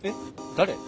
誰？